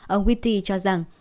ông whitty cho rằng